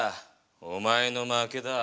お前の負けだ。